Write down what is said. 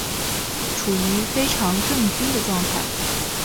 处於非常震惊的状态